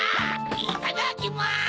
いただきます！